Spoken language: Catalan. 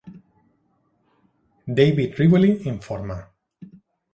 David Reevely informa.